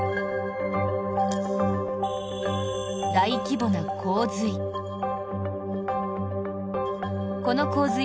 大規模な洪水。